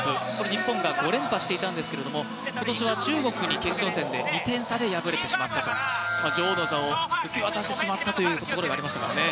日本が５連覇していたんですが今年は中国に決勝戦で２点差で破れてしまったと、女王の座を受け渡してしまったというところがありましたからね。